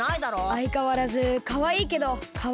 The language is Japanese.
あいかわらずかわいいけどかわいくないな。